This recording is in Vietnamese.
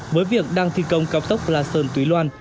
với việc đang thi công cao tốc la sơn túy loan